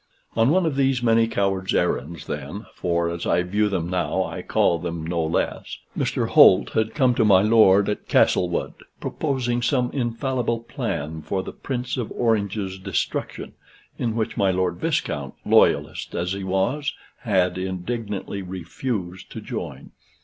On one of these many coward's errands then, (for, as I view them now, I can call them no less,) Mr. Holt had come to my lord at Castlewood, proposing some infallible plan for the Prince of Orange's destruction, in which my Lord Viscount, loyalist as he was, had indignantly refused to join.